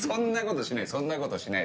そんなことしない